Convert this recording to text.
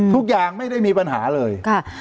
ทุกอย่างไม่ได้มีปัญหาเลยค่ะ